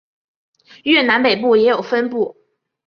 越南北部也有分布。